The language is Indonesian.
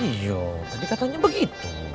iya tapi katanya begitu